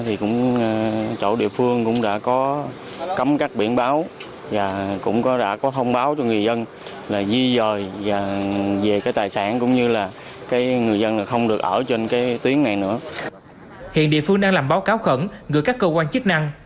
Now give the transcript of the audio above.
hiện địa phương đang làm báo cáo khẩn gửi các cơ quan chức năng